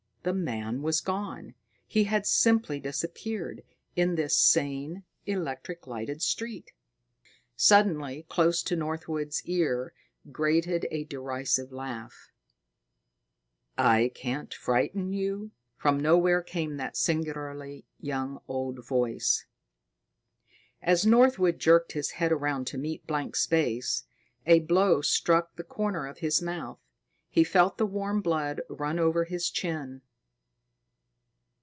The man was gone. He had simply disappeared, in this sane, electric lighted street. Suddenly, close to Northwood's ear, grated a derisive laugh. "I can't frighten you?" From nowhere came that singularly young old voice. As Northwood jerked his head around to meet blank space, a blow struck the corner of his mouth. He felt the warm blood run over his chin.